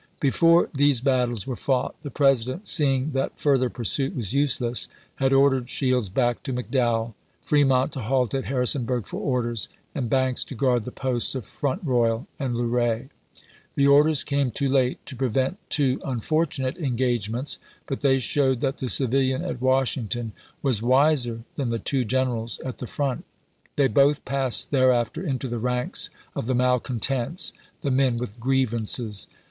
Before these battles were fought the President, seeing that fur ther pursuit was useless, had ordered Shields back voYxii.. Part III to McDowell, Fremont to halt at Harrisonburg for p. 354. " Part I orders, and Banks to guard the posts of Front Eoyal pp. ess, sii. and Luray. The orders came too late to prevent two unfortunate engagements, but they showed that the civilian at Washington was wiser than the two generals at the front. They both passed there after into the ranks of the malcontents — the men with grievances.